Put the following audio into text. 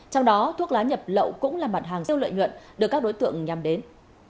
trong đó thuốc lá nhập lậu cũng là mặt hàng giao lợi nhuận được các đối tượng nhằm đến